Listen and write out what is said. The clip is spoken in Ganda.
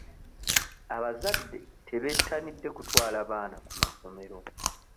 Abazadde tebettanidde kutwala baana ku masomero.